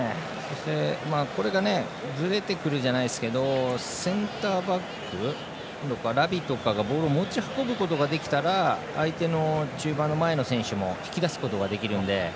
これがずれてくるじゃないですけどセンターバックのラウィなどがボールを持ち運べるなら相手の中盤の前の選手も引き出すことができるので。